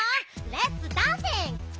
レッツダンシング！